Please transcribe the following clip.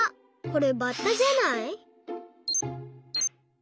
これバッタじゃない？